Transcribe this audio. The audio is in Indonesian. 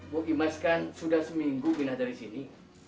bu imas kan sudah seminggu pindah dari sini